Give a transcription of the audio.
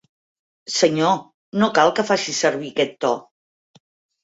Senyor, no cal que faci servir aquest to.